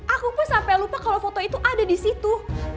aku pun sampai lupa kalau foto itu ada disitu